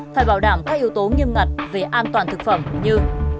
phải bảo đảm các yếu tố nghiêm ngặt về an toàn thực phẩm như